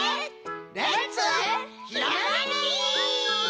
レッツひらめき！